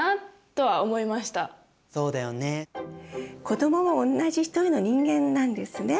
子どももおんなじ一人の人間なんですね。